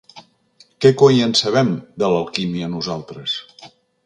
Què coi en sabem, de l’alquímia, nosaltres?